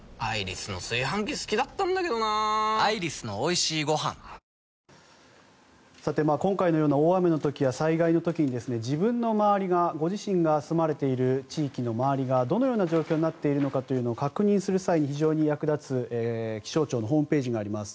詳しい情報がかなり簡単に手に入る今回のような大雨の時や災害の時に自分の周りがご自身が住まれている地域の周りがどのような状況になっているのかというのを確認する際に非常に役立つ気象庁のホームページがあります。